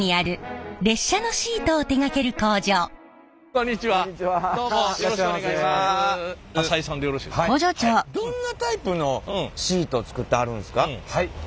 どんなタイプのシートを作ってはるんですか？